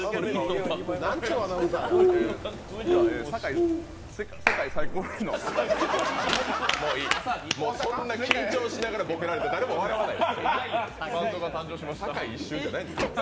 続いては世界最高のそんな緊張しながらボケられても誰も笑わない。